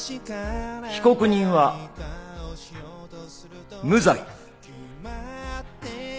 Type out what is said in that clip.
被告人は無罪。